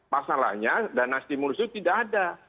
masalahnya dana stimulus itu tidak ada